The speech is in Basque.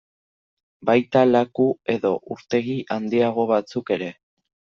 Baita laku edo urtegi handiago batzuk ere.